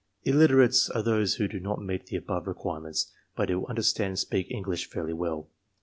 Illiterates are those who do not meet the above requirements, but who understand and speak English fairly well.